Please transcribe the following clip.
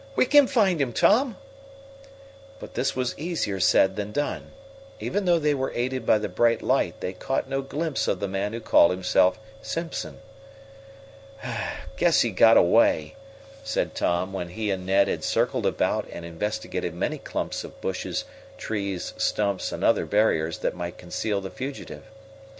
"We can find him, Tom!" But this was easier said than done. Even though they were aided by the bright light, they caught no glimpse of the man who called himself Simpson. "Guess he got away," said Tom, when he and Ned had circled about and investigated many clumps of bushes, trees, stumps and other barriers that might conceal the fugitive.